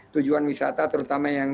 tujuan wisata terutama yang